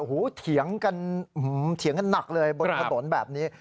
โอ้โหเถียงกันหนักเลยบนกระตนแบบนี้